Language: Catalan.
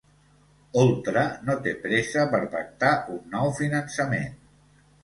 Oltra no té pressa per pactar un nou finançament